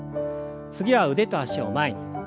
次は腕と脚を前に。